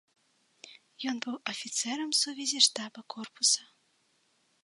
Ён быў афіцэрам сувязі штаба корпуса.